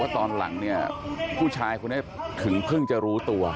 ตอนหลังเนี่ยผู้ชายคนนี้ถึงเพิ่งจะรู้ตัว